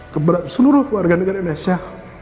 kepada seluruh warga negara indonesia